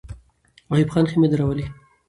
ایوب خان خېمې درولې.